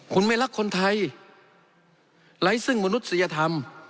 คุณไม่รักคนไทยไร้ซึ่งมนุษยธรรม